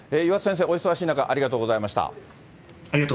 岩田先生、お忙しい中、ありがとうございました。